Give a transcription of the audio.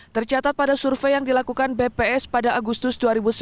tercatat pada survei yang dilakukan bps pada agustus dua ribu sembilan belas